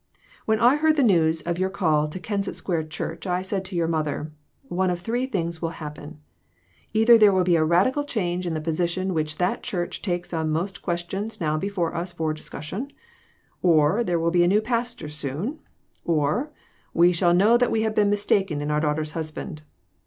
When I heard the news of your call to Kensett Square church I said to your mother, " One of three things will happen either there will be a radical change in the position which that church takes on most questions now before us for discussion, or there will be a new pastor soon, or we shall know that we have been mistaken in our daughter's hus band."